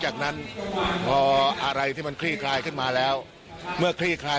จากนั้นพออะไรที่มันคลี่คลายขึ้นมาแล้วเมื่อคลี่คลาย